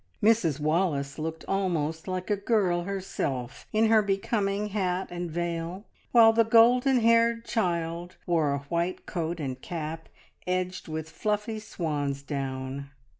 Mrs Wallace looked almost like a girl herself in her becoming hat and veil, while the golden haired child wore a white coat and cap edged with fluffy swan's down.